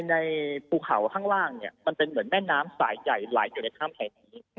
ในภูเขาข้างล่างเนี่ยมันเป็นเหมือนแม่น้ำสายใหญ่ไหลอยู่ในถ้ำแห่งนี้